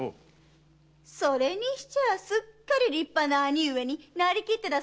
それにしてはすっかり立派な兄上になりきってたそうじゃない。